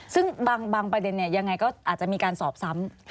ซึ่งบางประเด็นยังไงก็อาจจะมีการสอบซ้ำ